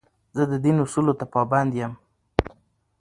زه د دین اصولو ته پابند یم.